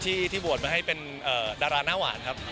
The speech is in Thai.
ที่บวชมาให้เป็นดาราหน้าหวานครับ